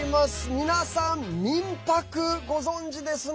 皆さん、民泊、ご存じですね。